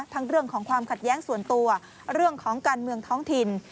เรื่องของความขัดแย้งส่วนตัวเรื่องของการเมืองท้องถิ่น